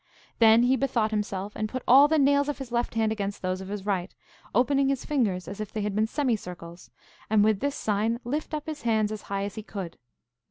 Then he bethought himself, and put all the nails of his left hand against those of his right, opening his fingers as if they had been semicircles, and with this sign lift up his hands as high as he could.